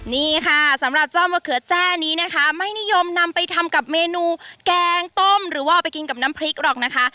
นี่ค่ะสำหรับจ้อมมะเขือแจ้นี้นะคะไม่นิยมนำไปทำกับเมนูแกงต้มหรือว่าเอาไปกินกับน้ำพริกหรอกนะคะ